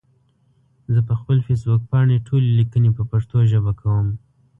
زه پخپل فيسبوک پاڼې ټولي ليکني په پښتو ژبه کوم